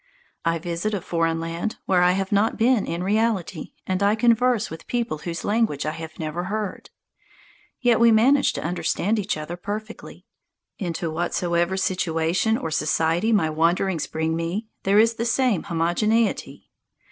I visit a foreign land where I have not been in reality, and I converse with peoples whose language I have never heard. Yet we manage to understand each other perfectly. Into whatsoever situation or society my wanderings bring me, there is the same homogeneity.